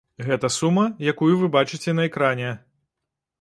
Гэта сума, якую вы бачыце на экране.